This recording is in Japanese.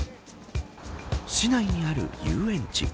市内にある遊園地。